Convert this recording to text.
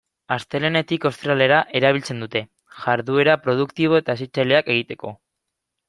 Astelehenetik ostiralera erabiltzen dute, jarduera produktibo eta hezitzaileak egiteko.